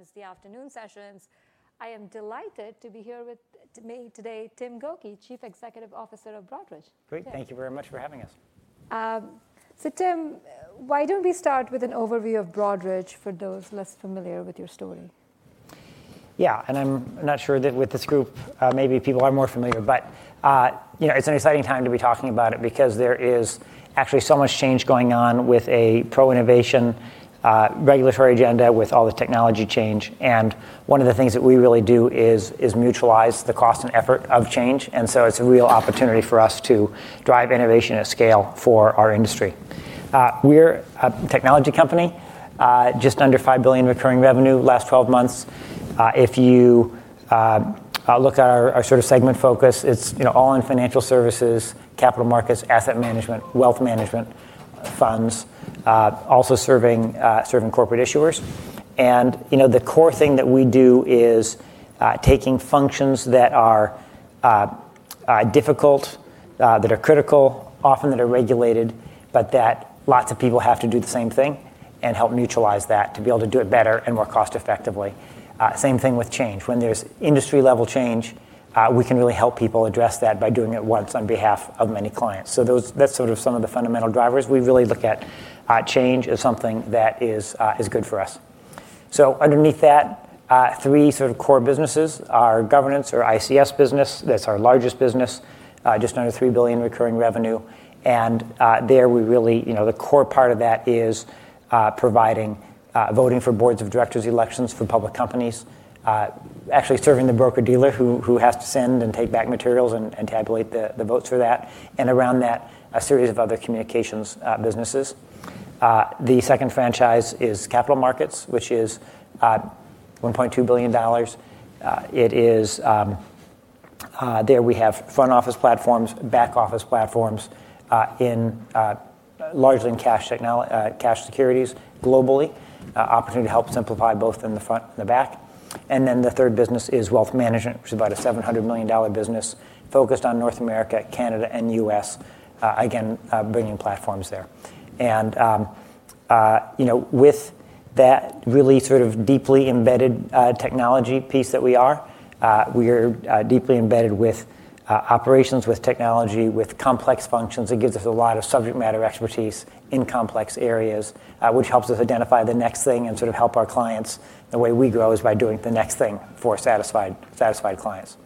Friends, the afternoon sessions. I am delighted to be here with me today, Timothy C. Gokey, Chief Executive Officer of Broadridge. Great. Thank you very much for having us. Tim, why don't we start with an overview of Broadridge for those less familiar with your story? Yeah. I'm not sure that with this group, maybe people are more familiar, but it's an exciting time to be talking about it because there is actually so much change going on with a pro-innovation regulatory agenda, with all the technology change, and one of the things that we really do is mutualize the cost and effort of change. it's a real opportunity for us to drive innovation at scale for our industry. We're a technology company, just under $5 billion recurring revenue last 12 months. If you look at our segment focus, it's all in financial services, capital markets, asset management, wealth management, funds. Also serving corporate issuers. The core thing that we do is taking functions that are difficult, that are critical, often that are regulated, but that lots of people have to do the same thing, and help mutualize that to be able to do it better and more cost effectively. Same thing with change. When there's industry-level change, we can really help people address that by doing it once on behalf of many clients. That's some of the fundamental drivers. We really look at change as something that is good for us. Underneath that, three core businesses. Our governance or ICS business, that's our largest business, just under $3 billion recurring revenue. There, the core part of that is providing voting for boards of directors' elections for public companies, actually serving the broker-dealer who has to send and take back materials and tabulate the votes for that, and around that, a series of other communications businesses. The second franchise is capital markets, which is $1.2 billion. There we have front-office platforms, back-office platforms, largely in cash securities globally. Opportunity to help simplify both in the front and the back. The third business is wealth management, which is about a $700 million business focused on North America, Canada, and U.S. Again, bringing platforms there. With that really deeply embedded technology piece that we are deeply embedded with operations, with technology, with complex functions. It gives us a lot of subject matter expertise in complex areas, which helps us identify the next thing and help our clients. The way we grow is by doing the next thing for satisfied clients.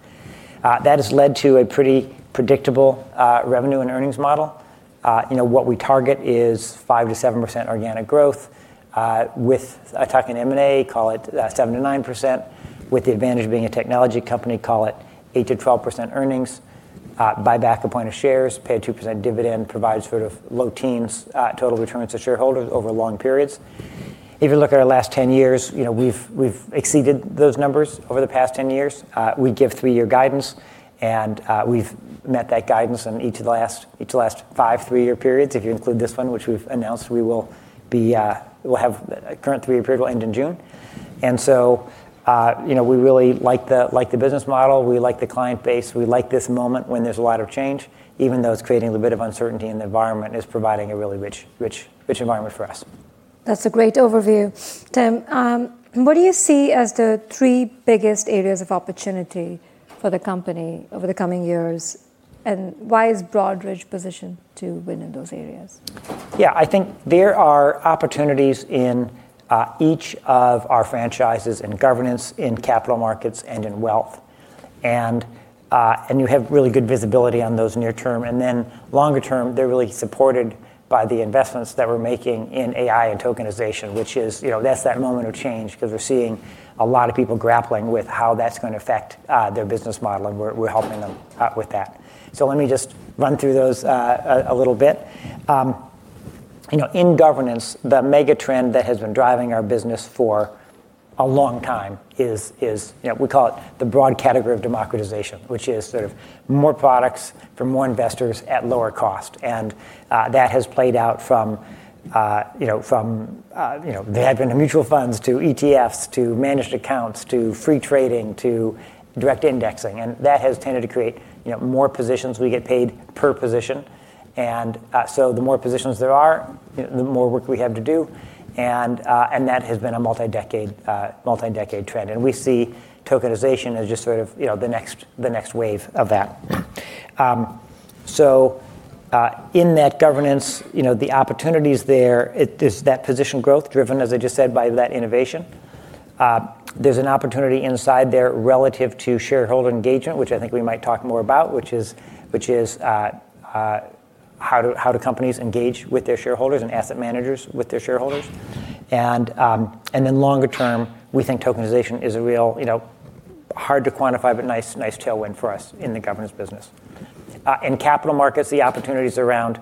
That has led to a pretty predictable revenue and earnings model. What we target is 5%-7% organic growth with, talking M&A, call it 7%-9%, with the advantage of being a technology company, call it 8%-12% earnings, buy back one point of shares, pay a 2% dividend, provides low teens total returns to shareholders over long periods. If you look at our last 10 years, we've exceeded those numbers over the past 10 years. We give 3-year guidance, and we've met that guidance in each of the last 5 3-year periods, if you include this one, which we've announced. We'll have a current 3-year period will end in June. We really like the business model, we like the client base, we like this moment when there's a lot of change, even though it's creating a little bit of uncertainty in the environment, it's providing a really rich environment for us. That's a great overview, Tim. What do you see as the three biggest areas of opportunity for the company over the coming years, and why is Broadridge positioned to win in those areas? Yeah, I think there are opportunities in each of our franchises, in governance, in capital markets, and in wealth. You have really good visibility on those near term, and then longer term, they're really supported by the investments that we're making in AI and tokenization, which is, that's that moment of change because we're seeing a lot of people grappling with how that's going to affect their business model, and we're helping them with that. Let me just run through those a little bit. In governance, the mega trend that has been driving our business for a long time is, we call it the broad category of democratization, which is more products for more investors at lower cost. That has played out from the headwind of mutual funds to ETFs, to managed accounts, to free trading, to direct indexing, and that has tended to create more positions. We get paid per position, and so the more positions there are, the more work we have to do, and that has been a multi-decade trend. We see tokenization as just the next wave of that. In that governance, the opportunities there, it's that position growth driven, as I just said, by that innovation. There's an opportunity inside there relative to shareholder engagement, which I think we might talk more about, which is how do companies engage with their shareholders, and asset managers with their shareholders. In longer term, we think tokenization is a real hard to quantify, but nice tailwind for us in the governance business. In capital markets, the opportunities around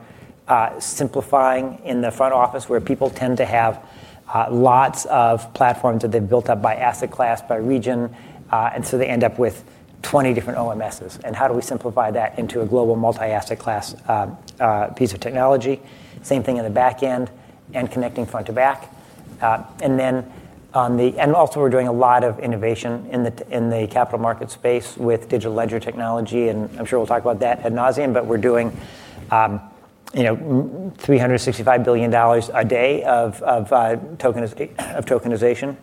simplifying in the front office where people tend to have lots of platforms that they've built up by asset class, by region, and so they end up with 20 different OMSs, and how do we simplify that into a global multi-asset class piece of technology? Same thing in the back end and connecting front to back. Also we're doing a lot of innovation in the capital market space with digital ledger technology, and I'm sure we'll talk about that ad nauseam, but we're doing $365 billion a day of tokenization,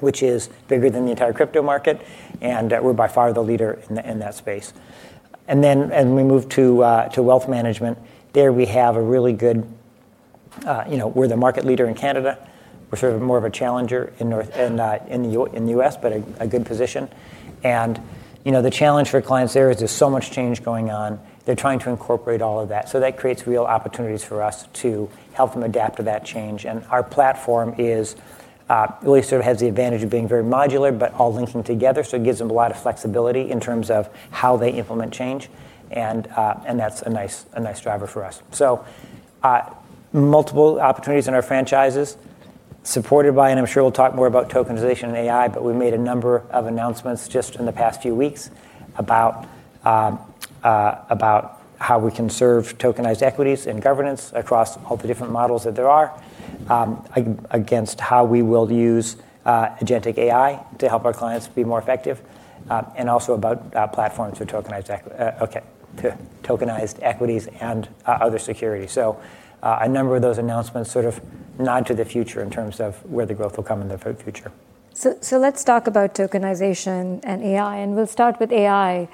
which is bigger than the entire crypto market, and we're by far the leader in that space. Then we move to wealth management. There, we're the market leader in Canada. We're more of a challenger in the U.S., but a good position. The challenge for clients there is there's so much change going on. They're trying to incorporate all of that. That creates real opportunities for us to help them adapt to that change. Our platform really sort of has the advantage of being very modular, but all linking together. It gives them a lot of flexibility in terms of how they implement change and that's a nice driver for us. Multiple opportunities in our franchises supported by, and I'm sure we'll talk more about tokenization and AI, but we made a number of announcements just in the past few weeks about how we can serve tokenized equities and governance across all the different models that there are. Against how we will use agentic AI to help our clients be more effective. Also about platforms for tokenized equities and other securities. A number of those announcements sort of nod to the future in terms of where the growth will come in the future. Let's talk about tokenization and AI, and we'll start with AI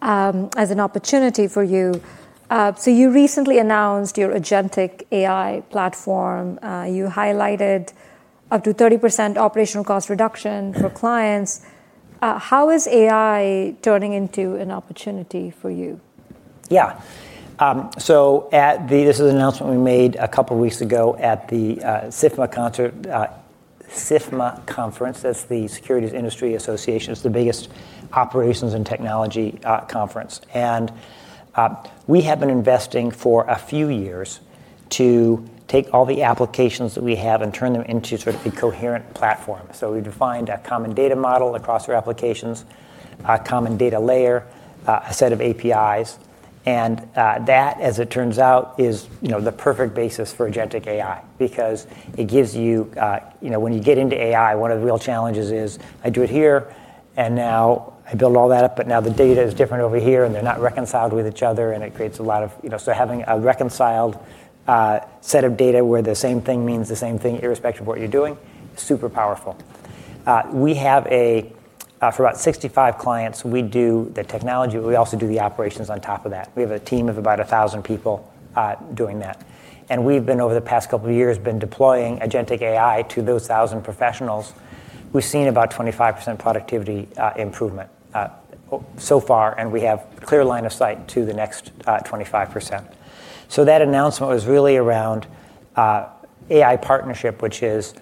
as an opportunity for you. You recently announced your agentic AI platform. You highlighted up to 30% operational cost reduction for clients. How is AI turning into an opportunity for you? Yeah. This is an announcement we made a couple of weeks ago at the SIFMA Conference. That's the Securities Industry Association. It's the biggest operations and technology conference. We have been investing for a few years to take all the applications that we have and turn them into sort of a coherent platform. We defined a common data model across our applications, a common data layer, a set of APIs, and that as it turns out is the perfect basis for agentic AI. Because when you get into AI, one of the real challenges is I do it here, and now I build all that up, but now the data is different over here, and they're not reconciled with each other. Having a reconciled set of data where the same thing means the same thing irrespective of what you're doing, super powerful. For about 65 clients, we do the technology, but we also do the operations on top of that. We have a team of about 1,000 people doing that. We've, over the past couple of years, been deploying agentic AI to those 1,000 professionals. We've seen about 25% productivity improvement so far, and we have a clear line of sight to the next 25%. That announcement was really around AI partnership, which is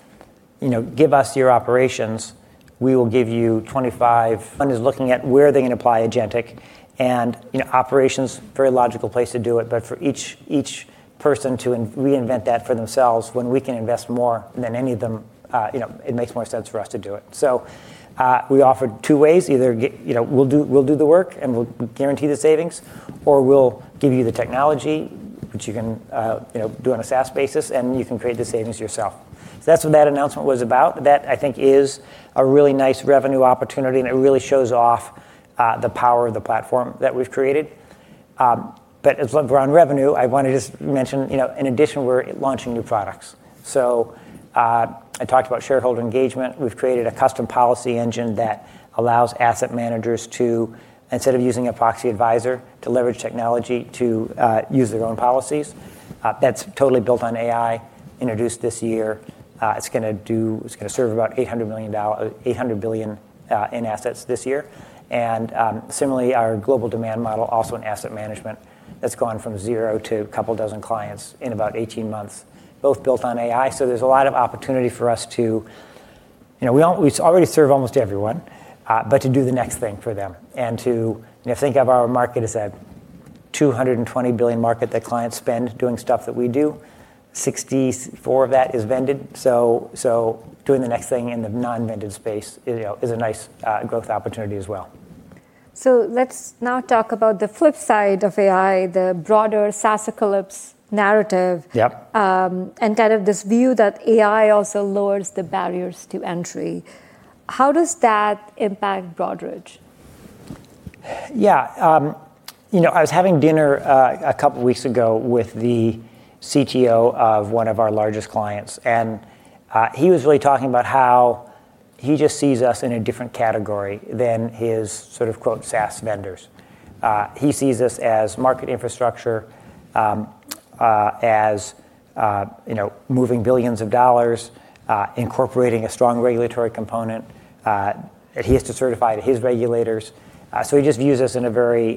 give us your operations, we will give you 25 One is looking at where are they going to apply agentic and operations, very logical place to do it. For each person to reinvent that for themselves when we can invest more than any of them, it makes more sense for us to do it. We offered two ways. Either we'll do the work and we'll guarantee the savings, or we'll give you the technology, which you can do on a SaaS basis, and you can create the savings yourself. That's what that announcement was about. That I think is a really nice revenue opportunity, and it really shows off the power of the platform that we've created. As we're on revenue, I want to just mention, in addition, we're launching new products. I talked about shareholder engagement. We've created a Custom Policy Engine that allows asset managers to, instead of using a proxy advisor, to leverage technology to use their own policies. That's totally built on AI, introduced this year. It's going to serve about $800 billion in assets this year. Similarly, our global demand model also in asset management, that's gone from zero to a couple dozen clients in about 18 months, both built on AI. There's a lot of opportunity for us to. We already serve almost everyone, but to do the next thing for them and to think of our market as a 220 billion market that clients spend doing stuff that we do, 64 of that is vended. Doing the next thing in the non-vended space is a nice growth opportunity as well. Let's now talk about the flip side of AI, the broader SaaSpocalypse narrative. Yep. Kind of this view that AI also lowers the barriers to entry. How does that impact Broadridge? Yeah. I was having dinner a couple of weeks ago with the CTO of one of our largest clients, and he was really talking about how he just sees us in a different category than his sort of quote "SaaS vendors." He sees us as market infrastructure, as moving billions of dollars, incorporating a strong regulatory component that he has to certify to his regulators. He just views us in a very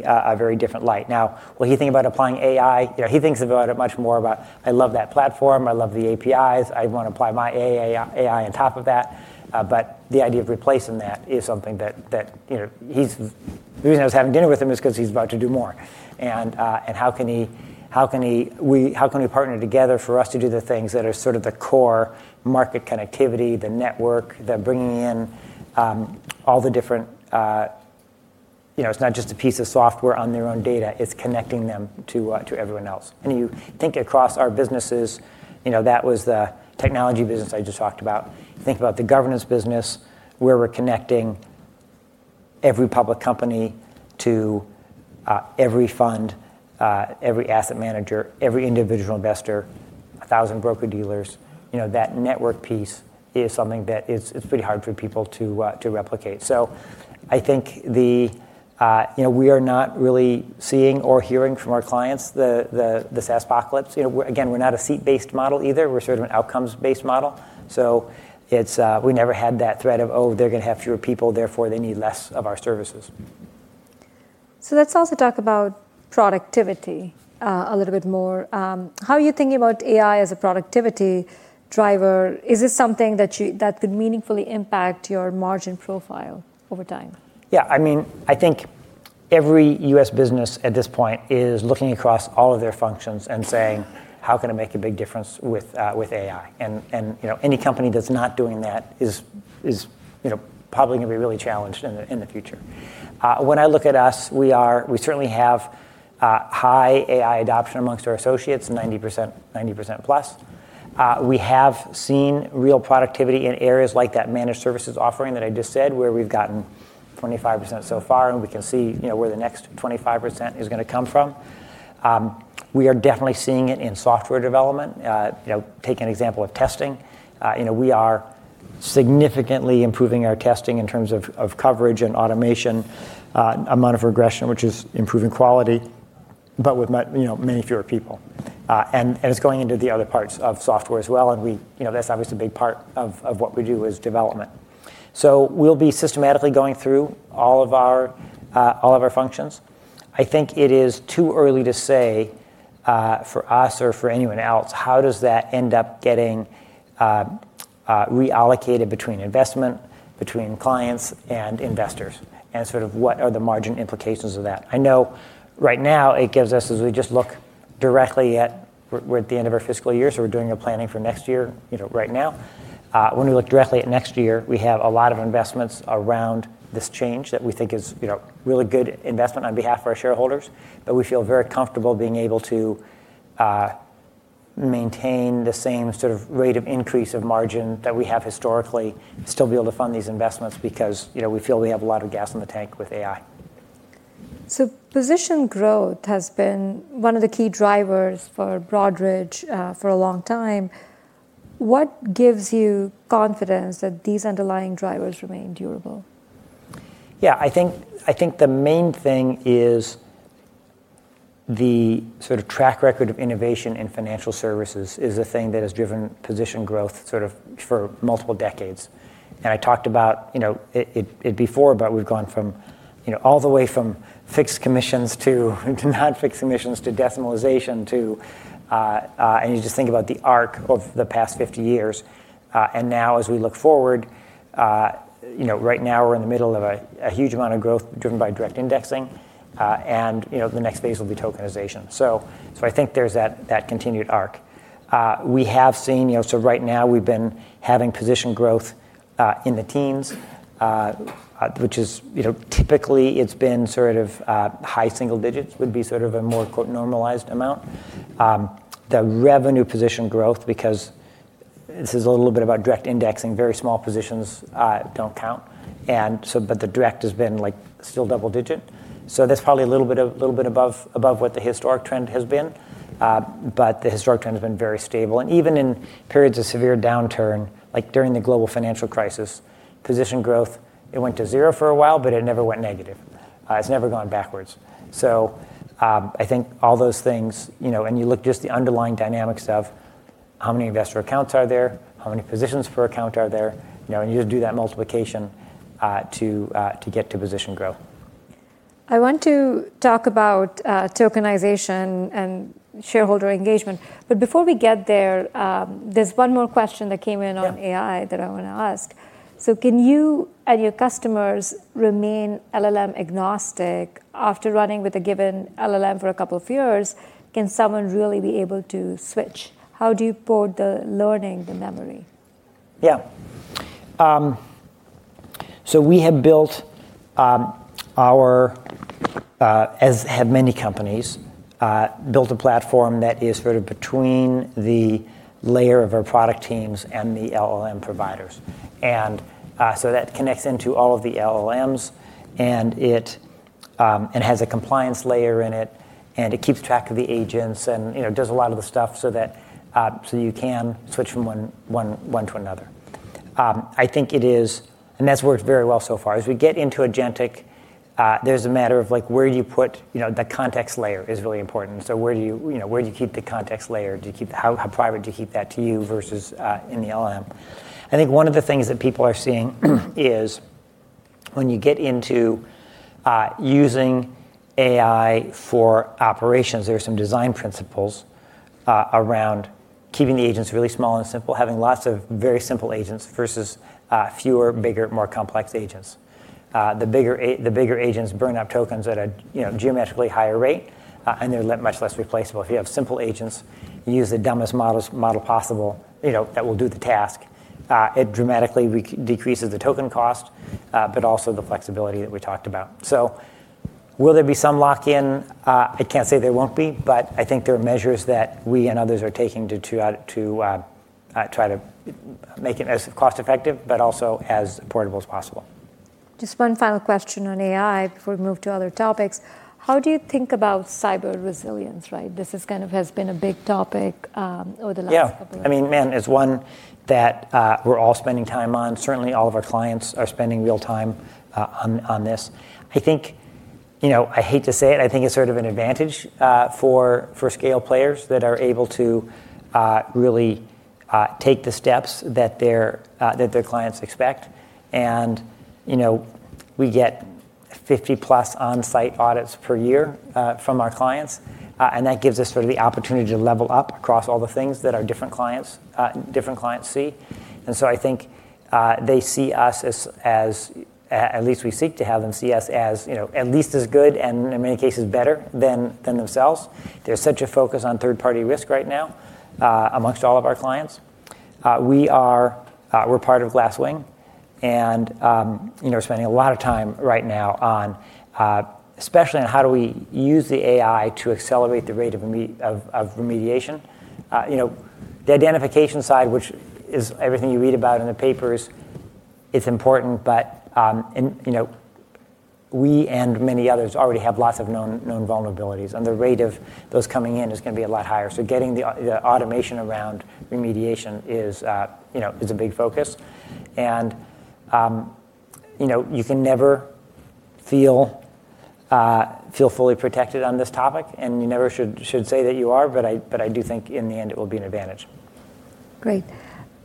different light. Now, when he think about applying AI, he thinks about it much more about, "I love that platform. I love the APIs. I want to apply my AI on top of that." The idea of replacing that is something that. The reason I was having dinner with him is because he's about to do more. How can we partner together for us to do the things that are sort of the core market connectivity, the network, the bringing in all the different. It's not just a piece of software on their own data, it's connecting them to everyone else. You think across our businesses, that was the technology business I just talked about. Think about the governance business where we're connecting every public company to every fund, every asset manager, every individual investor, 1,000 broker-dealers, that network piece is something that is pretty hard for people to replicate. I think we are not really seeing or hearing from our clients, the SaaSpocalypse. Again, we're not a seat-based model either. We're sort of an outcomes-based model. We never had that threat of, oh, they're going to have fewer people, therefore they need less of our services. Let's also talk about productivity a little bit more. How are you thinking about AI as a productivity driver? Is this something that could meaningfully impact your margin profile over time? Yeah. I think every U.S. business at this point is looking across all of their functions and saying, "How can I make a big difference with AI?" Any company that's not doing that is probably going to be really challenged in the future. When I look at us, we certainly have high AI adoption amongst our associates, 90% plus. We have seen real productivity in areas like that managed services offering that I just said, where we've gotten 25% so far, and we can see where the next 25% is going to come from. We are definitely seeing it in software development. Take an example of testing. We are significantly improving our testing in terms of coverage and automation, amount of regression, which is improving quality, but with many fewer people. it's going into the other parts of software as well, and that's obviously a big part of what we do, is development. we'll be systematically going through all of our functions. I think it is too early to say for us or for anyone else, how does that end up getting reallocated between investment, between clients, and investors, and sort of what are the margin implications of that? I know right now it gives us, as we just look directly at. We're at the end of our fiscal year, so we're doing our planning for next year right now. When we look directly at next year, we have a lot of investments around this change that we think is really good investment on behalf of our shareholders, but we feel very comfortable being able to maintain the same sort of rate of increase of margin that we have historically, still be able to fund these investments because we feel we have a lot of gas in the tank with AI. position growth has been one of the key drivers for Broadridge for a long time. What gives you confidence that these underlying drivers remain durable? Yeah, I think the main thing is the sort of track record of innovation in financial services is a thing that has driven position growth for multiple decades. I talked about it before, but we've gone all the way from fixed commissions to non-fixed commissions to decimalization to you just think about the arc of the past 50 years. now as we look forward, right now we're in the middle of a huge amount of growth driven by direct indexing. the next phase will be tokenization. I think there's that continued arc. right now we've been having position growth in the teens, which is typically it's been sort of high single digits, would be sort of a more, quote, "normalized amount." The revenue position growth, because this is a little bit about direct indexing, very small positions don't count. The direct has been still double digit, so that's probably a little bit above what the historic trend has been. The historic trend has been very stable, and even in periods of severe downturn, like during the global financial crisis, position growth, it went to zero for a while, but it never went negative. It's never gone backwards. I think all those things, and you look just the underlying dynamics of how many investor accounts are there, how many positions per account are there, and you do that multiplication to get to position growth. I want to talk about tokenization and shareholder engagement, but before we get there's one more question that came in on. Yeah AI that I want to ask. Can you and your customers remain LLM-agnostic after running with a given LLM for a couple of years? Can someone really be able to switch? How do you port the learning, the memory? Yeah. we have, as have many companies, built a platform that is sort of between the layer of our product teams and the LLM providers. that connects into all of the LLMs, and it has a compliance layer in it, and it keeps track of the agents and does a lot of the stuff so you can switch from one to another. that's worked very well so far. As we get into agentic, there's a matter of where do you put. The context layer is really important. where do you keep the context layer? How private do you keep that to you versus in the LLM? I think one of the things that people are seeing is when you get into using AI for operations, there are some design principles around keeping the agents really small and simple, having lots of very simple agents versus fewer, bigger, more complex agents. The bigger agents burn up tokens at a geometrically higher rate, and they're much less replaceable. If you have simple agents, you use the dumbest model possible that will do the task, it dramatically decreases the token cost, but also the flexibility that we talked about. Will there be some lock-in? I can't say there won't be, but I think there are measures that we and others are taking to try to make it as cost-effective, but also as affordable as possible. Just one final question on AI before we move to other topics. How do you think about cyber resilience? This has been a big topic over the last couple of years. Yeah. It's one that we're all spending time on. Certainly, all of our clients are spending real time on this. I hate to say it, I think it's sort of an advantage for scale players that are able to really take the steps that their clients expect. We get 50 plus on-site audits per year from our clients, and that gives us the opportunity to level up across all the things that our different clients see. I think they see us as, at least we seek to have them see us as, at least as good and in many cases, better than themselves. There's such a focus on third-party risk right now amongst all of our clients. We're part of Glasswing, and spending a lot of time right now especially on how do we use the AI to accelerate the rate of remediation. The identification side, which is everything you read about in the papers, it's important, but we and many others already have lots of known vulnerabilities, and the rate of those coming in is going to be a lot higher. Getting the automation around remediation is a big focus. You can never feel fully protected on this topic, and you never should say that you are, but I do think in the end it will be an advantage. Great.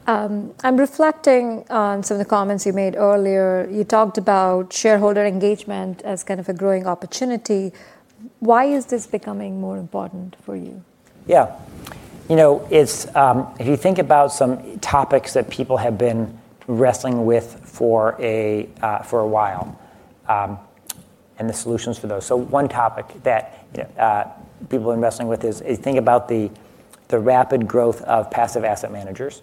I'm reflecting on some of the comments you made earlier. You talked about shareholder engagement as kind of a growing opportunity. Why is this becoming more important for you? Yeah. If you think about some topics that people have been wrestling with for a while, and the solutions for those. One topic that people are investing with is you think about the rapid growth of passive asset managers,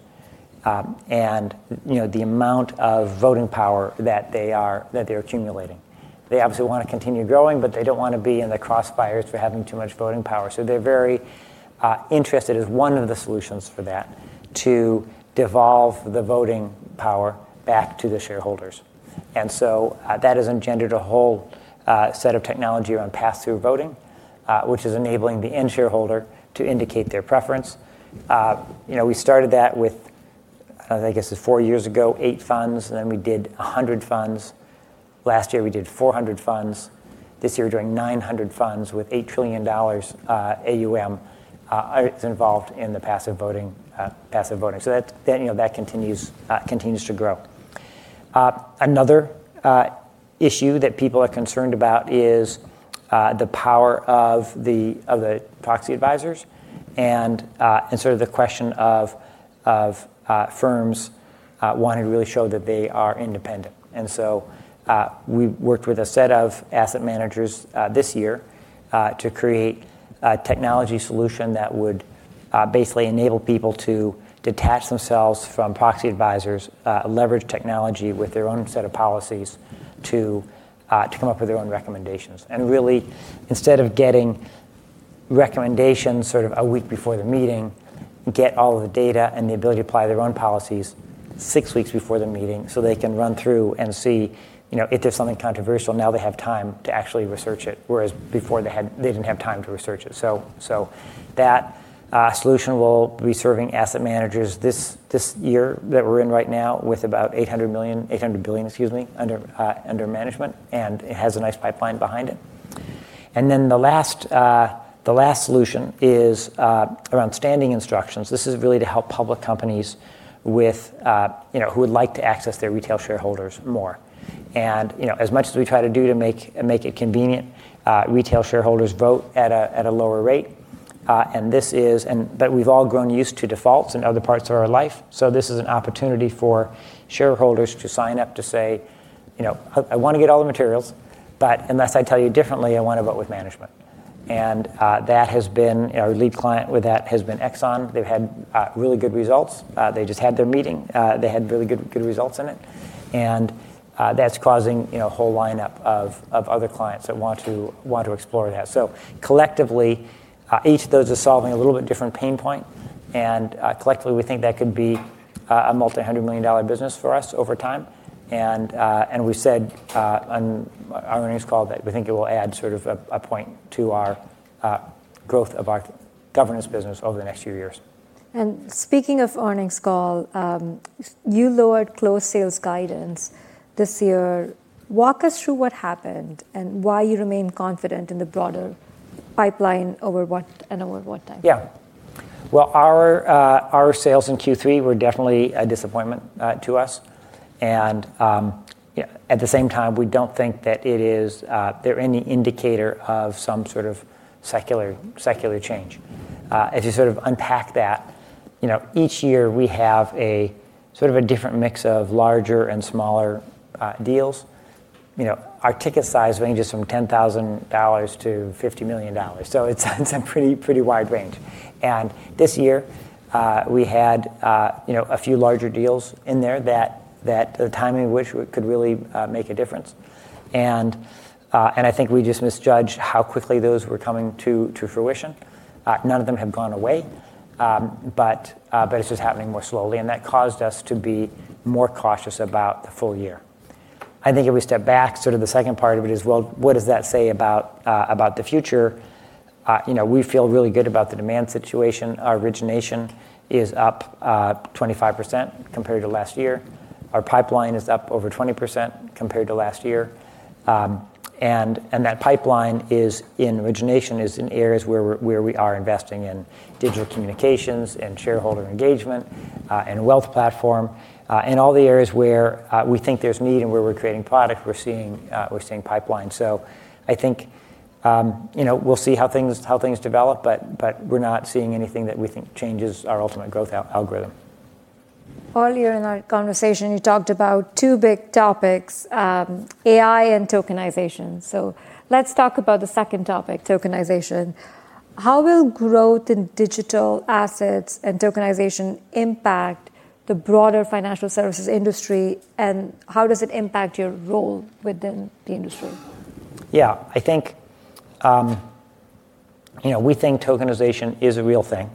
and the amount of voting power that they're accumulating. They obviously want to continue growing, but they don't want to be in the crosshairs for having too much voting power. They're very interested as one of the solutions for that to devolve the voting power back to the shareholders. That has engendered a whole set of technology around pass-through voting, which is enabling the end shareholder to indicate their preference. We started that with, I think it was four years ago, eight funds, and then we did 100 funds. Last year, we did 400 funds. This year, we're doing 900 funds with $8 trillion AUM. It's involved in the passive voting. That continues to grow. Another issue that people are concerned about is the power of the proxy advisors, and sort of the question of firms wanting to really show that they are independent. We worked with a set of asset managers this year to create a technology solution that would basically enable people to detach themselves from proxy advisors, leverage technology with their own set of policies to come up with their own recommendations. Really, instead of getting recommendations a week before the meeting, get all of the data and the ability to apply their own policies six weeks before the meeting so they can run through and see if there's something controversial, now they have time to actually research it, whereas before they didn't have time to research it. That solution will be serving asset managers this year that we're in right now with about $800 billion under management, and it has a nice pipeline behind it. The last solution is around standing instructions. This is really to help public companies who would like to access their retail shareholders more. As much as we try to do to make it convenient, retail shareholders vote at a lower rate. We've all grown used to defaults in other parts of our life, so this is an opportunity for shareholders to sign up to say, "I want to get all the materials, but unless I tell you differently, I want to vote with management." Our lead client with that has been ExxonMobil. They've had really good results. They just had their meeting. They had really good results in it. That's causing a whole lineup of other clients that want to explore that. Collectively, each of those is solving a little bit different pain point, and collectively, we think that could be a multi-hundred million dollar business for us over time. We said on our earnings call that we think it will add sort of a point to our growth of our governance business over the next few years. speaking of earnings call, you lowered close sales guidance this year. Walk us through what happened and why you remain confident in the broader pipeline and over what time? Yeah. Well, our sales in Q3 were definitely a disappointment to us, and at the same time, we don't think that they're any indicator of some sort of secular change. As you sort of unpack that, each year we have a different mix of larger and smaller deals. Our ticket size ranges from $10,000 to $50 million. It's a pretty wide range. This year, we had a few larger deals in there that the timing of which could really make a difference. I think we just misjudged how quickly those were coming to fruition. None of them have gone away. It's just happening more slowly, and that caused us to be more cautious about the full year. I think if we step back, the second part of it is, well, what does that say about the future? We feel really good about the demand situation. Our origination is up 25% compared to last year. Our pipeline is up over 20% compared to last year. That pipeline in origination is in areas where we are investing in digital communications, and shareholder engagement, and wealth platform, and all the areas where we think there's need and where we're creating product, we're seeing pipeline. I think we'll see how things develop, but we're not seeing anything that we think changes our ultimate growth algorithm. Earlier in our conversation, you talked about two big topics, AI and tokenization. Let's talk about the second topic, tokenization. How will growth in digital assets and tokenization impact the broader financial services industry, and how does it impact your role within the industry? Yeah. We think tokenization is a real thing.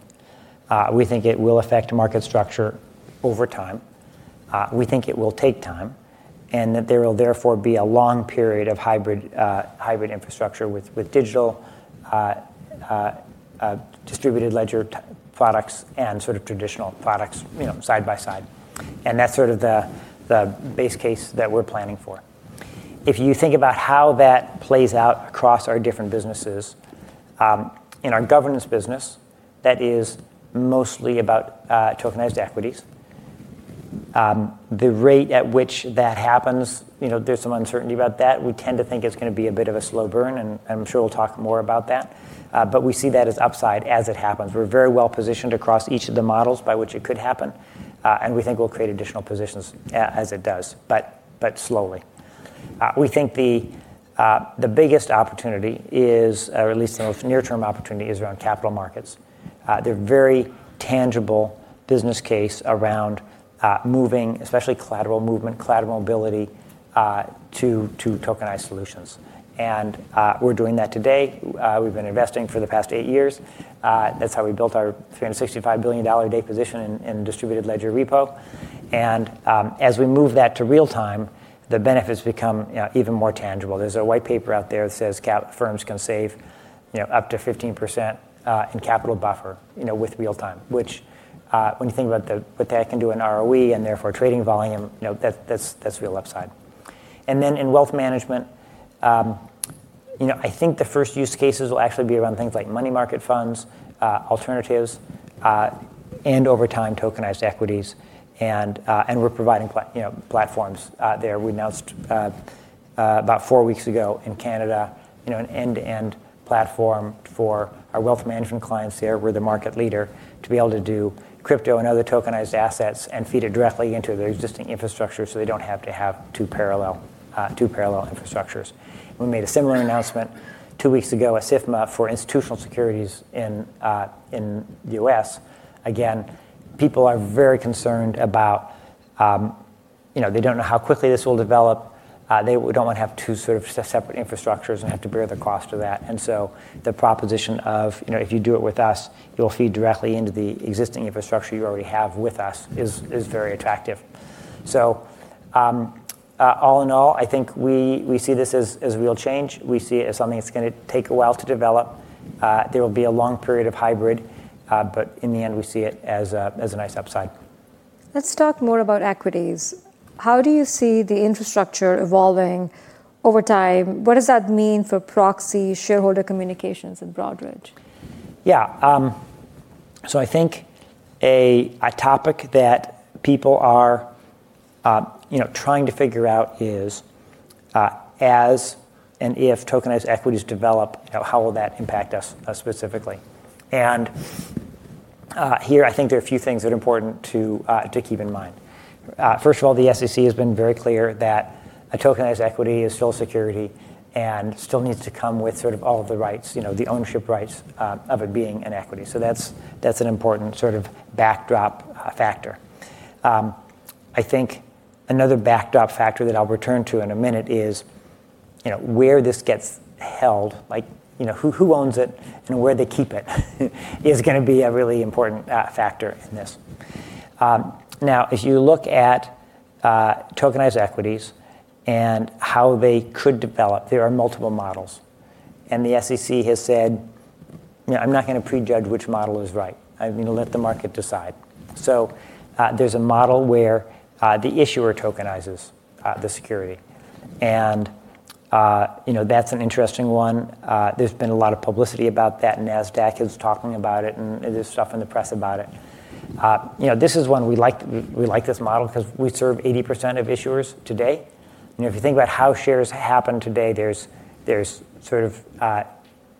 We think it will affect market structure over time. We think it will take time, and that there will therefore be a long period of hybrid infrastructure with digital distributed ledger products and traditional products side by side. That's the base case that we're planning for. If you think about how that plays out across our different businesses, in our governance business, that is mostly about tokenized equities. The rate at which that happens, there's some uncertainty about that. We tend to think it's going to be a bit of a slow burn, and I'm sure we'll talk more about that. We see that as upside as it happens. We're very well positioned across each of the models by which it could happen. We think we'll create additional positions as it does, but slowly. We think the biggest opportunity is, or at least the most near-term opportunity, is around capital markets. They're very tangible business case around moving, especially collateral movement, collateral mobility, to tokenized solutions. We're doing that today. We've been investing for the past eight years. That's how we built our $365 billion day position in distributed ledger repo. As we move that to real time, the benefits become even more tangible. There's a white paper out there that says firms can save up to 15% in capital buffer with real time, which when you think about what that can do in ROE and therefore trading volume, that's real upside. In wealth management, I think the first use cases will actually be around things like money market funds, alternatives, and over time, tokenized equities. We're providing platforms there. We announced about four weeks ago in Canada, an end-to-end platform for our wealth management clients there. We're the market leader to be able to do crypto and other tokenized assets and feed it directly into their existing infrastructure so they don't have to have two parallel infrastructures. We made a similar announcement two weeks ago at SIFMA for institutional securities in the U.S. Again, people are very concerned about. They don't know how quickly this will develop. They don't want to have two separate infrastructures and have to bear the cost of that. The proposition of, "If you do it with us, you'll feed directly into the existing infrastructure you already have with us," is very attractive. All in all, I think we see this as a real change. We see it as something that's going to take a while to develop. There will be a long period of hybrid, but in the end, we see it as a nice upside. Let's talk more about equities. How do you see the infrastructure evolving over time? What does that mean for proxy shareholder communications in Broadridge? Yeah. I think a topic that people are trying to figure out is, as and if tokenized equities develop, how will that impact us specifically? Here, I think there are a few things that are important to keep in mind. First of all, the SEC has been very clear that a tokenized equity is still a security and still needs to come with all of the rights, the ownership rights of it being an equity. That's an important backdrop factor. I think another backdrop factor that I'll return to in a minute is where this gets held. Who owns it and where they keep it is going to be a really important factor in this. Now, as you look at tokenized equities and how they could develop, there are multiple models. The SEC has said, "I'm not going to prejudge which model is right. I'm going to let the market decide." There's a model where the issuer tokenizes the security, and that's an interesting one. There's been a lot of publicity about that. NASDAQ is talking about it, and there's stuff in the press about it. We like this model because we serve 80% of issuers today. If you think about how shares happen today, there's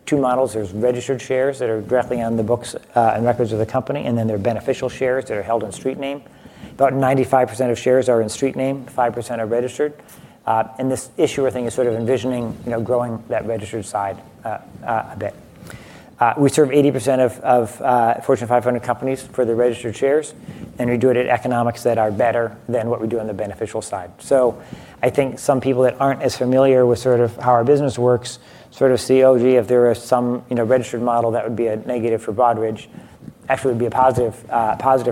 two models. There's registered shares that are directly on the books and records of the company, and then there are beneficial shares that are held in street name. About 95% of shares are in street name, 5% are registered. This issuer thing is envisioning growing that registered side a bit. We serve 80% of Fortune 500 companies for the registered shares, and we do it at economics that are better than what we do on the beneficial side. I think some people that aren't as familiar with how our business works see, "Oh, gee, if there is some registered model, that would be a negative for Broadridge." Actually would be a positive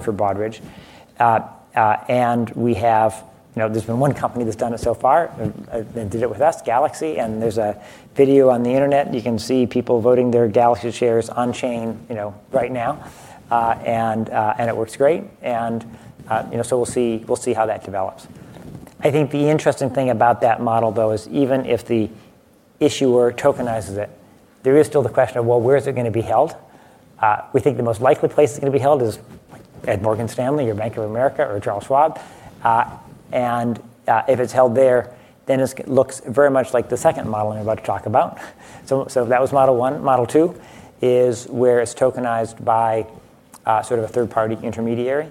for Broadridge. There's been one company that's done it so far, that did it with us, Galaxy, and there's a video on the Internet, and you can see people voting their Galaxy shares on chain right now. It works great, and so we'll see how that develops. I think the interesting thing about that model, though, is even if the issuer tokenizes it, there is still the question of, well, where is it going to be held? We think the most likely place it's going to be held is at Morgan Stanley or Bank of America or Charles Schwab. If it's held there, then this looks very much like the second model I'm about to talk about. That was model one. Model two is where it's tokenized by a third-party intermediary,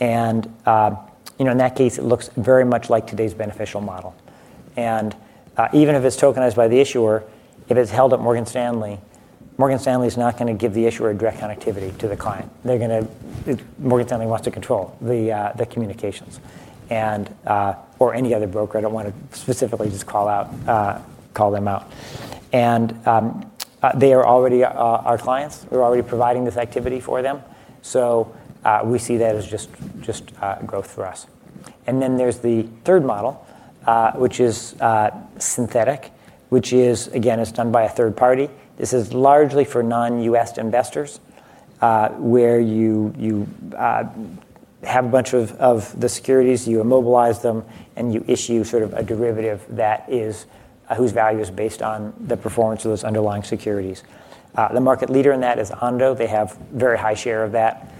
and in that case it looks very much like today's beneficial model. Even if it's tokenized by the issuer, if it's held at Morgan Stanley, Morgan Stanley's not going to give the issuer direct connectivity to the client. Morgan Stanley wants to control the communications, or any other broker, I don't want to specifically just call them out. They are already our clients. We're already providing this activity for them, so we see that as just growth for us. There's the third model, which is synthetic, which is, again, is done by a third party. This is largely for non-U.S. investors, where you have a bunch of the securities, you immobilize them and you issue a derivative whose value is based on the performance of those underlying securities. The market leader in that is Ondo. They have very high share of that.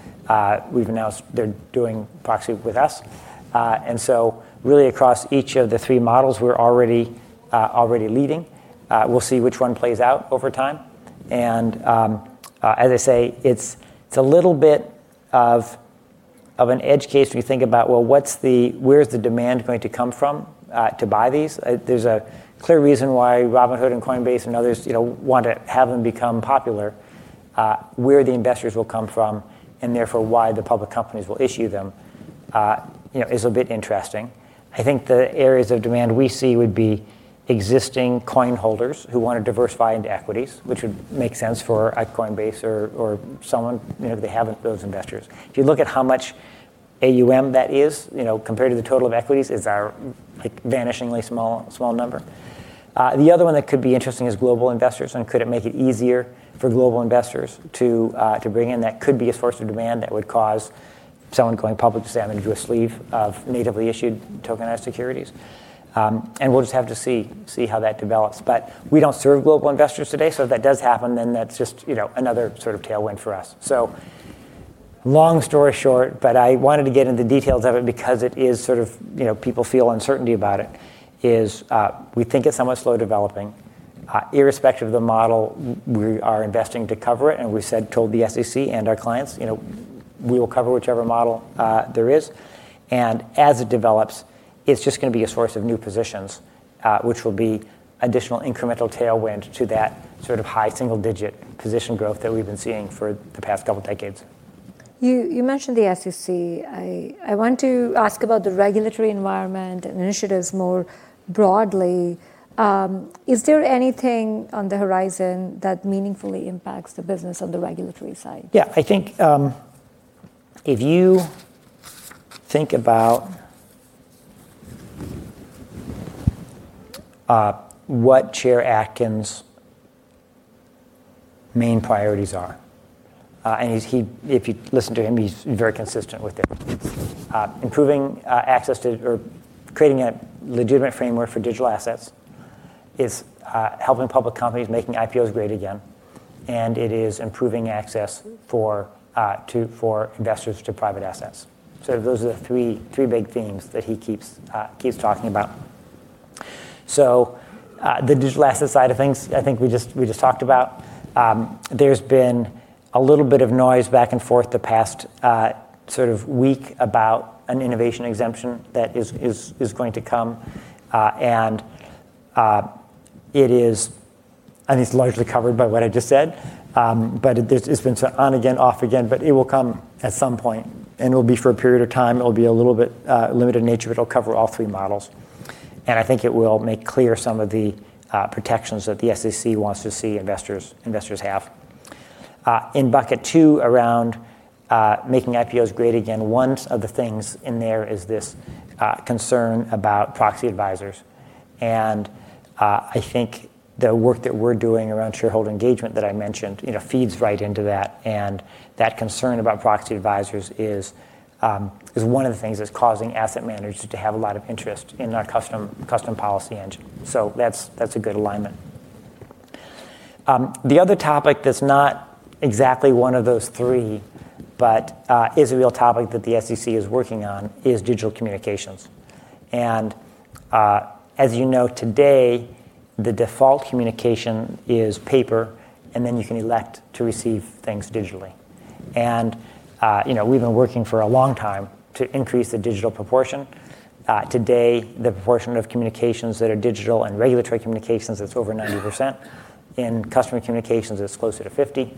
We've announced they're doing proxy with us. Really across each of the three models, we're already leading. We'll see which one plays out over time, and as I say, it's a little bit of an edge case when you think about, well, where's the demand going to come from to buy these? There's a clear reason why Robinhood and Coinbase and others want to have them become popular. Where the investors will come from, and therefore why the public companies will issue them is a bit interesting. I think the areas of demand we see would be existing coin holders who want to diversify into equities, which would make sense for a Coinbase or someone, if they have those investors. If you look at how much AUM that is compared to the total of equities is our vanishingly small number. The other one that could be interesting is global investors, and could it make it easier for global investors to bring in? That could be a source of demand that would cause someone going public to say I'm going to do a sleeve of natively issued tokenized securities. We'll just have to see how that develops. We don't serve global investors today, so if that does happen, then that's just another sort of tailwind for us. long story short, I wanted to get into the details of it because it is sort of people feel uncertainty about it, is we think it's somewhat slow developing. Irrespective of the model, we are investing to cover it, and we told the SEC and our clients we will cover whichever model there is. as it develops, it's just going to be a source of new positions, which will be additional incremental tailwind to that sort of high single digit position growth that we've been seeing for the past couple of decades. You mentioned the SEC. I want to ask about the regulatory environment and initiatives more broadly. Is there anything on the horizon that meaningfully impacts the business on the regulatory side? Yeah. I think if you think about what Chair Atkins' main priorities are, and if you listen to him, he's very consistent with it. Improving access to or creating a legitimate framework for digital assets is helping public companies making IPOs great again, and it is improving access for investors to private assets. Those are the three big themes that he keeps talking about. The digital asset side of things, I think we just talked about. There's been a little bit of noise back and forth the past sort of week about an innovation exemption that is going to come. It's largely covered by what I just said. It's been on again off again, but it will come at some point, and it will be for a period of time. It'll be a little bit limited in nature, but it'll cover all three models. I think it will make clear some of the protections that the SEC wants to see investors have. In bucket two around making IPOs great again, one of the things in there is this concern about proxy advisors, and I think the work that we're doing around shareholder engagement that I mentioned feeds right into that. That concern about proxy advisors is one of the things that's causing asset managers to have a lot of interest in our Custom Policy Engine. That's a good alignment. The other topic that's not exactly one of those three, but is a real topic that the SEC is working on, is digital communications. As you know, today, the default communication is paper, and then you can elect to receive things digitally. We've been working for a long time to increase the digital proportion. Today, the proportion of communications that are digital and regulatory communications, it's over 90%. In customer communications, it's closer to 50.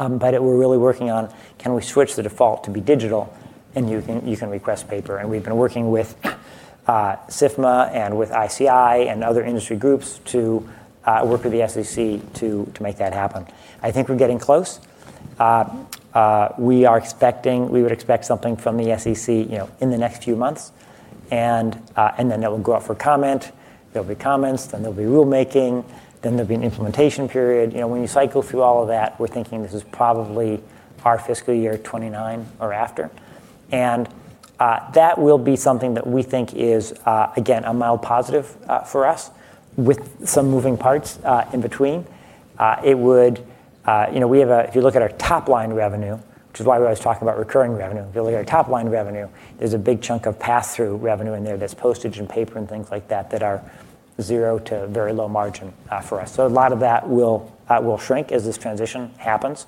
We're really working on can we switch the default to be digital and you can request paper. We've been working with SIFMA and with ICI and other industry groups to work with the SEC to make that happen. I think we're getting close. We would expect something from the SEC in the next few months, and then that will go out for comment. There'll be comments, then there'll be rulemaking, then there'll be an implementation period. When you cycle through all of that, we're thinking this is probably our fiscal year '29 or after. That will be something that we think is, again, a mild positive for us with some moving parts in between. If you look at our top-line revenue, there's a big chunk of pass-through revenue in there that's postage and paper and things like that that are zero to very low margin for us. A lot of that will shrink as this transition happens.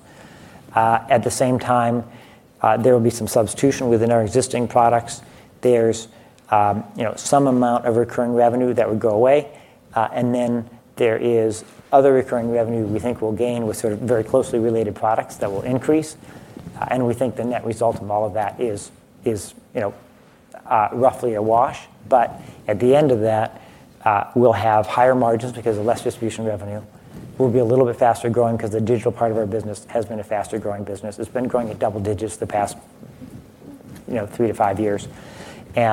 At the same time, there will be some substitution within our existing products. There's some amount of recurring revenue that would go away. There is other recurring revenue we think we'll gain with sort of very closely related products that will increase. We think the net result of all of that is roughly a wash. At the end of that, we'll have higher margins because of less distribution revenue. We'll be a little bit faster-growing because the digital part of our business has been a faster-growing business. It's been growing at double digits the past three to five years. We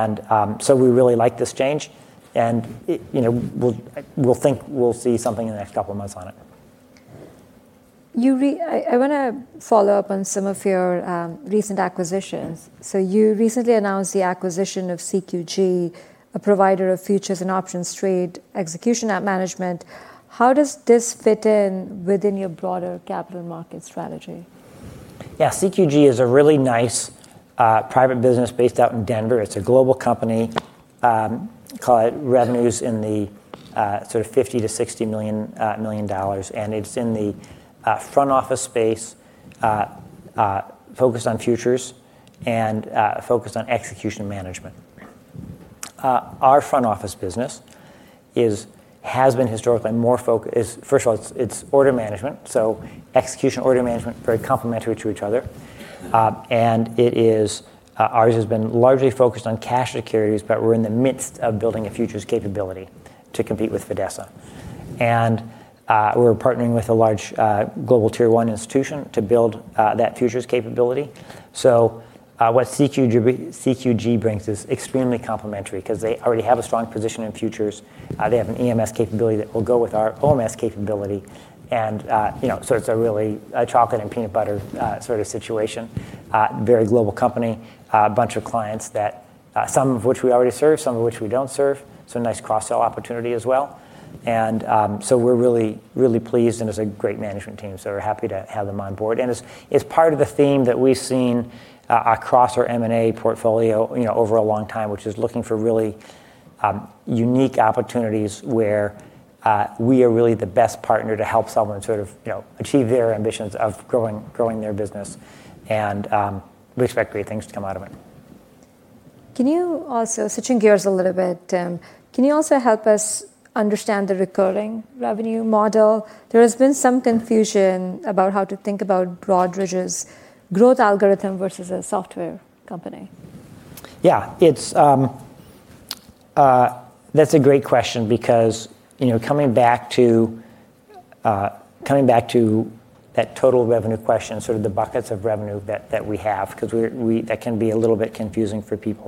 really like this change. We'll think we'll see something in the next couple of months on it. I want to follow up on some of your recent acquisitions. You recently announced the acquisition of CQG, a provider of futures and options trading and execution management. How does this fit in within your broader capital market strategy? Yeah. CQG is a really nice private business based out in Denver. It's a global company. Call it revenues in the sort of $50 million-$60 million. It's in the front-office space, focused on futures and focused on execution management. Our front-office business has been historically more focused. First of all, it's order management. execution, order management, very complementary to each other. Ours has been largely focused on cash securities, but we're in the midst of building a futures capability to compete with Fidessa. We're partnering with a large global tier 1 institution to build that futures capability. What CQG brings is extremely complementary because they already have a strong position in futures. They have an EMS capability that will go with our OMS capability. It's a really a chocolate and peanut butter sort of situation. Very global company, a bunch of clients that some of which we already serve, some of which we don't serve. Nice cross-sell opportunity as well. We're really, really pleased, and it's a great management team, so we're happy to have them on board. It's part of the theme that we've seen across our M&A portfolio over a long time, which is looking for really unique opportunities where we are really the best partner to help someone achieve their ambitions of growing their business. We expect great things to come out of it. Switching gears a little bit, can you also help us understand the recurring revenue model? There has been some confusion about how to think about Broadridge's growth algorithm versus a software company. Yeah. That's a great question because coming back to that total revenue question, sort of the buckets of revenue that we have, because that can be a little bit confusing for people.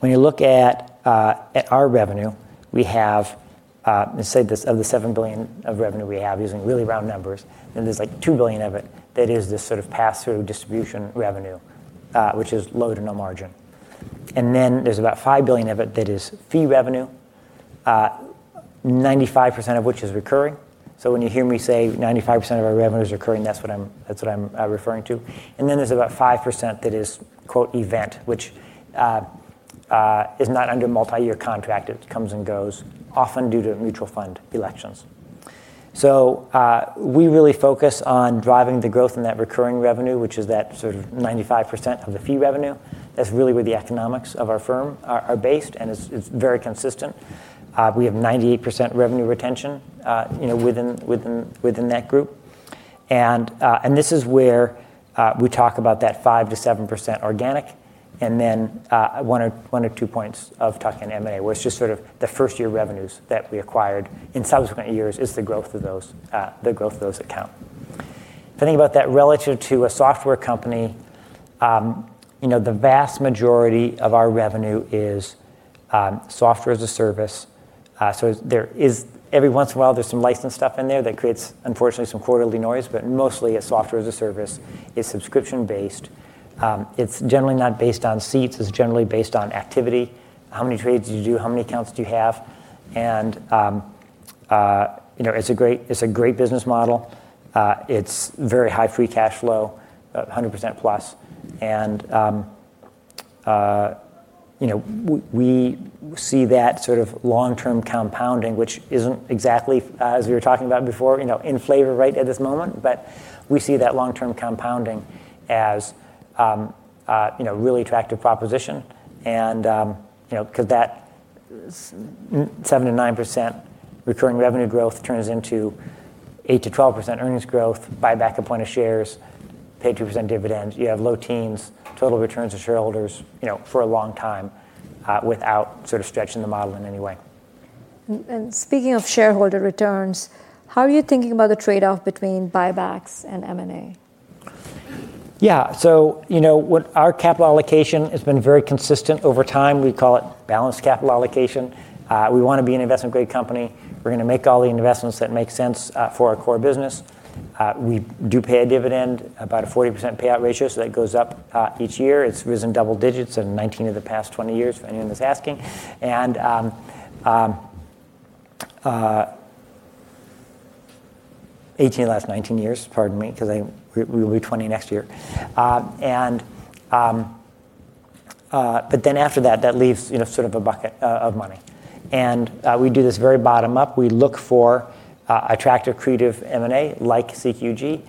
When you look at our revenue, we have, let's say of the $7 billion of revenue we have using really round numbers, then there's like $2 billion of it that is this sort of pass-through distribution revenue, which is low to no margin. There's about $5 billion of it that is fee revenue, 95% of which is recurring. When you hear me say 95% of our revenue is recurring, that's what I'm referring to. There's about 5% that is "event," which is not under multi-year contract. It comes and goes, often due to mutual fund elections. we really focus on driving the growth in that recurring revenue, which is that sort of 95% of the fee revenue. That's really where the economics of our firm are based, and it's very consistent. We have 98% revenue retention within that group. this is where we talk about that 5 to 7% organic and then one or two points of tuck-in M&A, where it's just sort of the first-year revenues that we acquired in subsequent years is the growth of those that count. If I think about that relative to a software company, the vast majority of our revenue is software as a service. Every once in a while, there's some licensed stuff in there that creates, unfortunately, some quarterly noise, but mostly it's software as a service. It's subscription based. It's generally not based on seats. It's generally based on activity. How many trades did you do? How many accounts do you have? It's a great business model. It's very high free cash flow, 100% plus. We see that sort of long-term compounding, which isn't exactly, as we were talking about before, in flavor right at this moment, but we see that long-term compounding as a really attractive proposition because that 7 to 9% recurring revenue growth turns into 8 to 12% earnings growth, buyback of plenty shares, pay 2% dividends. You have low teens, total returns to shareholders for a long time without sort of stretching the model in any way. Speaking of shareholder returns, how are you thinking about the trade-off between buybacks and M&A? Yeah. Our capital allocation has been very consistent over time. We call it balanced capital allocation. We want to be an investment-grade company. We're going to make all the investments that make sense for our core business. We do pay a dividend, about a 40% payout ratio, so that goes up each year. It's risen double digits in 19 of the past 20 years, if anyone is asking. 18 of the last 19 years, pardon me, because we will be 20 next year. After that leaves sort of a bucket of money. We do this very bottom-up. We look for attractive, accretive M&A, like CQG,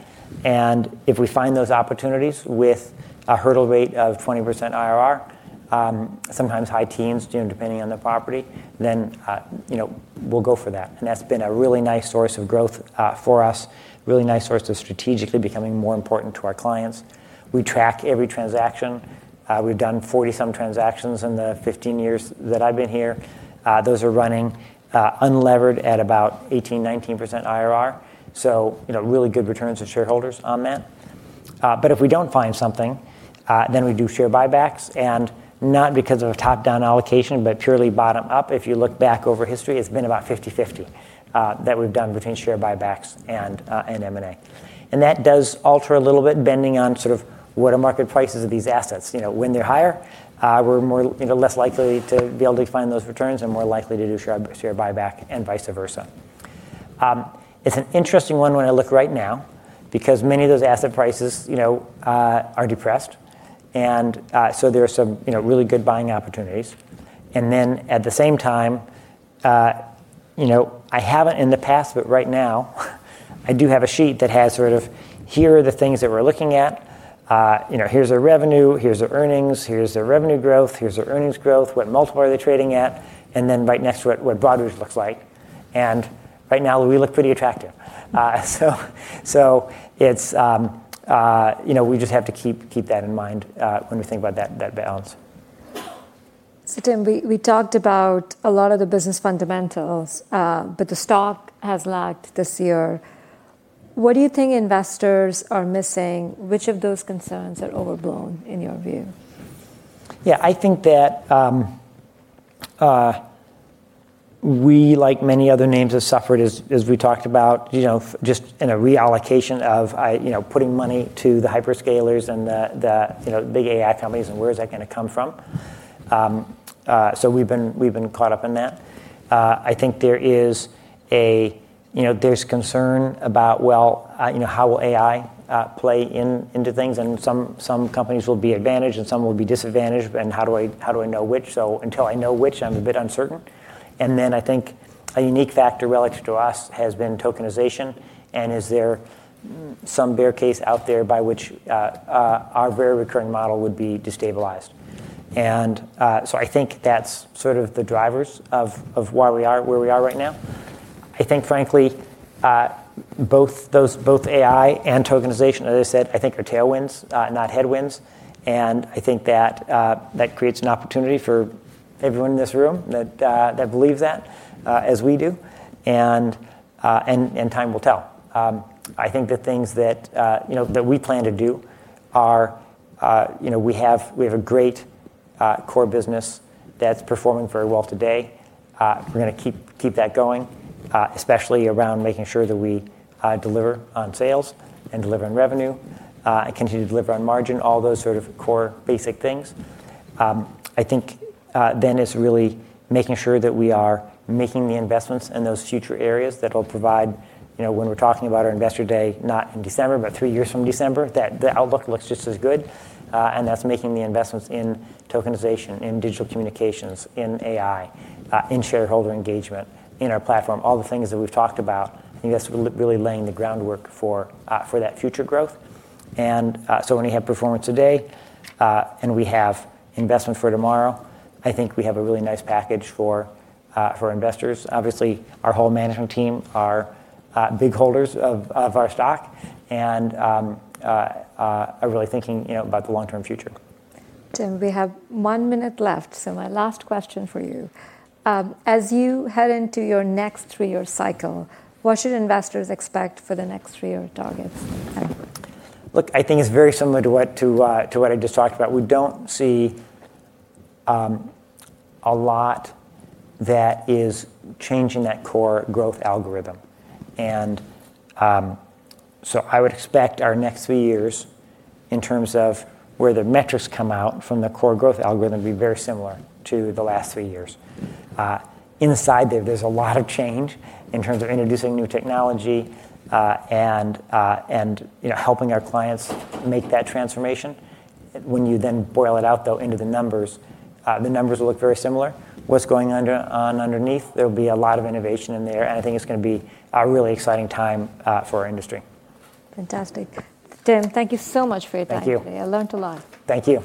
and if we find those opportunities with a hurdle rate of 20% IRR, sometimes high teens, depending on the property, then we'll go for that. that's been a really nice source of growth for us, really nice source of strategically becoming more important to our clients. We track every transaction. We've done 40-some transactions in the 15 years that I've been here. Those are running unlevered at about 18, 19% IRR, so really good returns to shareholders on that. If we don't find something, then we do share buybacks, and not because of a top-down allocation, but purely bottom-up. If you look back over history, it's been about 50/50 that we've done between share buybacks and M&A. That does alter a little bit, depending on sort of what a market price is of these assets. When they're higher, we're less likely to be able to find those returns and more likely to do share buyback and vice versa. It's an interesting one when I look right now because many of those asset prices are depressed, and so there are some really good buying opportunities. At the same time, I haven't in the past, but right now I do have a sheet that has sort of, here are the things that we're looking at. Here's their revenue, here's their earnings, here's their revenue growth, here's their earnings growth, what multiple are they trading at, and then right next to it, what Broadridge looks like, and right now, we look pretty attractive. We just have to keep that in mind when we think about that balance. Tim, we talked about a lot of the business fundamentals, but the stock has lagged this year. What do you think investors are missing? Which of those concerns are overblown in your view? Yeah, I think that we, like many other names, have suffered, as we talked about, just in a reallocation of putting money to the hyperscalers and the big AI companies, and where is that going to come from? We've been caught up in that. I think there's concern about how will AI play into things, and some companies will be advantaged and some will be disadvantaged, and how do I know which? Until I know which, I'm a bit uncertain. I think a unique factor relative to us has been tokenization, and is there some bear case out there by which our very recurring model would be destabilized? I think that's sort of the drivers of where we are right now. I think, frankly, both AI and tokenization, as I said, I think are tailwinds, not headwinds, and I think that creates an opportunity for everyone in this room that believes that as we do, and time will tell. I think the things that we plan to do are we have a great core business that's performing very well today. We're going to keep that going, especially around making sure that we deliver on sales and deliver on revenue and continue to deliver on margin, all those sort of core basic things. I think then it's really making sure that we are making the investments in those future areas that'll provide when we're talking about our investor day, not in December, but three years from December, that the outlook looks just as good, and that's making the investments in tokenization, in digital communications, in AI, in shareholder engagement, in our platform, all the things that we've talked about. I think that's really laying the groundwork for that future growth. When you have performance today and we have investment for tomorrow, I think we have a really nice package for investors. Obviously, our whole management team are big holders of our stock and are really thinking about the long-term future. Tim, we have one minute left, so my last question for you. As you head into your next three-year cycle, what should investors expect for the next three-year target? Look, I think it's very similar to what I just talked about. We don't see a lot that is changing that core growth algorithm. I would expect our next three years, in terms of where the metrics come out from the core growth algorithm, to be very similar to the last three years. Inside there's a lot of change in terms of introducing new technology and helping our clients make that transformation. When you then boil it out, though, into the numbers, the numbers will look very similar. What's going on underneath, there'll be a lot of innovation in there, and I think it's going to be a really exciting time for our industry. Fantastic. Tim, thank you so much for your time today. Thank you. I learned a lot. Thank you.